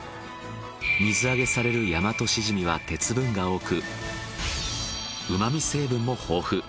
水揚げされるヤマトシジミは鉄分が多く旨味成分も豊富。